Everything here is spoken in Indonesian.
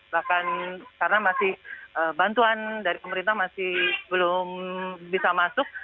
bahkan karena masih bantuan dari pemerintah masih belum bisa masuk